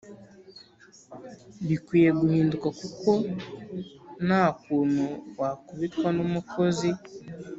Bikwiye guhinduka kuko nakunu wakubitwa numukozi